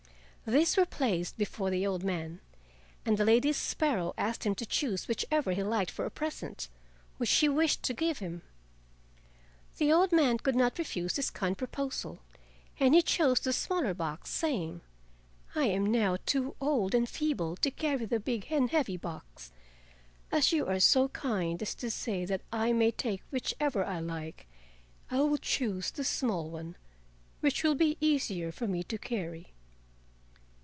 These were placed before the old man, and the Lady Sparrow asked him to choose whichever he liked for a present, which she wished to give him. The old man could not refuse this kind proposal, and he chose the smaller box, saying: "I am now too old and feeble to carry the big and heavy box. As you are so kind as to say that I may take whichever I like, I will choose the small one, which will be easier for me to carry."